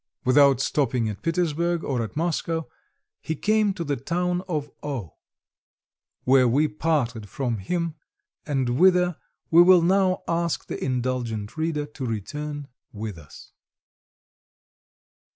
Without stopping at Petersburg or at Moscow he came to the town of O , where we parted from him, and whither we will now ask the indulgent reader to return with us.